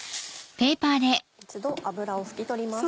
一度油を拭き取ります。